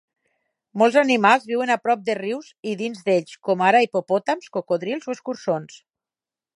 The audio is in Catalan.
Molts animals viuen a prop de rius i dins d'ells, com ara hipopòtams, cocodrils o escurçons.